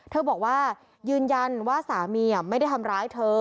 เธอบอกว่ายืนยันว่าสามีไม่ได้ทำร้ายเธอ